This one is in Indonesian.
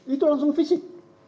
itu langsung fisik